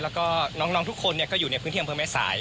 แล้วก็น้องทุกคนก็อยู่ในพื้นที่อำเภอแม่สาย